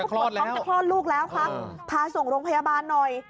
จะคลอดแล้วครับพาส่งโรงพยาบาลหน่อย